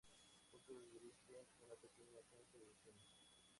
Juntos dirigen una pequeña agencia de diseño.